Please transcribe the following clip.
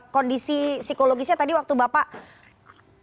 kondisi psikologisnya tadi waktu bapak